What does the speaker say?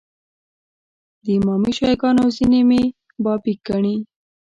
د امامي شیعه ګانو ځینې مې بابي ګڼي.